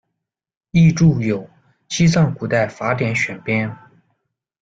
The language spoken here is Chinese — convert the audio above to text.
译着有：《西藏古代法典选编》。